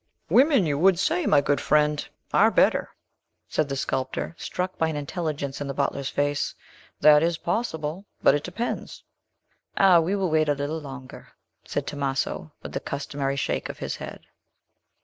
"Women, you would say, my good friend, are better," said the sculptor, struck by an intelligence in the butler's face. "That is possible! But it depends." "Ah; we will wait a little longer," said Tomaso, with the customary shake of his head.